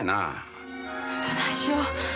どないしよう。